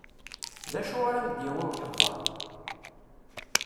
D acu ara m-d-yawi uḥebber?